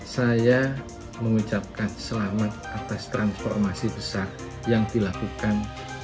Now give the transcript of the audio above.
saya mengucapkan selamat atas transformasi besar yang dilakukan